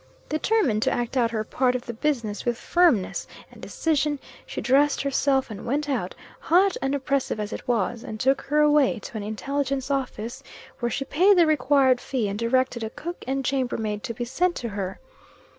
Determined to act out her part of the business with firmness and decision, she dressed herself and went out, hot and oppressive as it was, and took her way to an intelligence office, where she paid the required fee, and directed a cook and chamber maid to be sent to her.